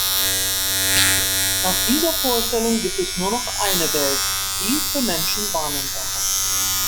Nach dieser Vorstellung gibt es nur noch eine Welt, die für Menschen wahrnehmbare.